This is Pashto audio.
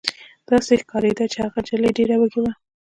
داسې ښکارېده چې هغه نجلۍ ډېره وږې وه